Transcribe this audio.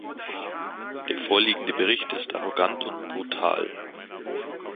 Der vorliegende Bericht ist arrogant und brutal.